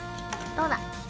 どうだ！